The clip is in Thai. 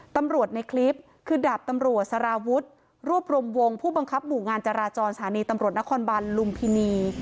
ในคลิปคือดาบตำรวจสารวุฒิรวบรวมวงผู้บังคับหมู่งานจราจรสถานีตำรวจนครบันลุมพินี